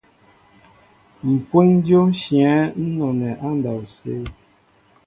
Mpweŋ dyô nshyɛέŋ nɔnɛɛ andɔwsé.